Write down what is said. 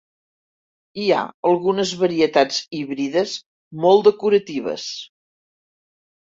Hi ha algunes varietats híbrides molt decoratives.